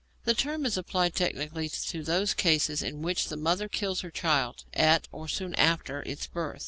The term is applied technically to those cases in which the mother kills her child at, or soon after, its birth.